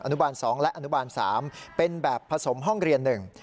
อนุบาล๒และอนุบาล๓เป็นแบบผสมห้องเรียนหนึ่ง